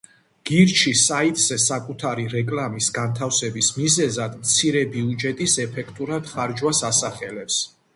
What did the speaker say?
გირჩი საიტზე საკუთარი რეკლამის განთავსების მიზეზად მცირე ბიუჯეტის ეფექტურად ხარჯვას ასახელებს.